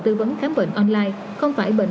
tư vấn khám bệnh online không phải bệnh